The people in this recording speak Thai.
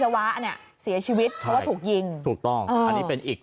วิชาวิทยาลัย